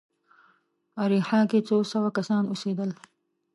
اریحا کې څو سوه کسان اوسېدل.